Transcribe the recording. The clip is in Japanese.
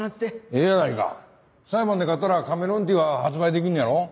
ええやないか裁判で勝ったらカメレオンティーは発売できんねやろ？